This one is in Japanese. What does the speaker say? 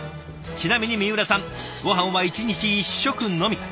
ちなみに三浦さんごはんは１日１食のみ。